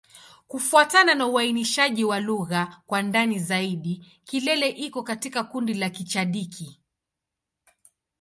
Kufuatana na uainishaji wa lugha kwa ndani zaidi, Kilele iko katika kundi la Kichadiki.